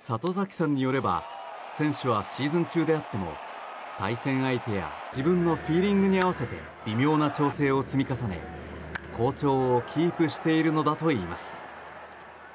里崎さんによれば選手はシーズン中であっても対戦相手や自分のフィーリングに合わせて微妙な調整を積み重ね、好調をキープしているのだといいます。